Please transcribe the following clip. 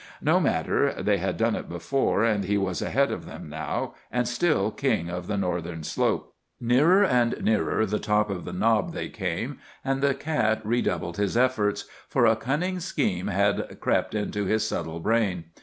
No matter; they had done it before, and he was ahead of them now and still King of the Northern Slope. Nearer and nearer the top of the knob they came, and the cat redoubled his efforts, for a cunning scheme had crept into his subtle brain.